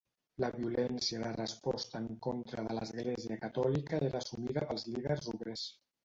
La violència de resposta en contra de l'Església Catòlica era assumida pels líders obrers.